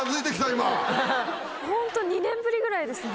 ホント２年ぶりぐらいですね。